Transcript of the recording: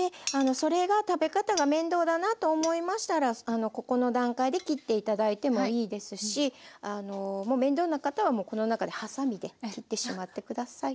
それが食べ方が面倒だなと思いましたらあのここの段階で切って頂いてもいいですしもう面倒な方はもうこの中でハサミで切ってしまって下さい。